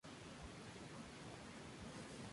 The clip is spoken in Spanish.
La naturaleza exacta de ambas todavía es desconocida.